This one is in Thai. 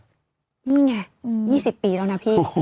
นี่ไง๒๐ปีแล้วนะพี่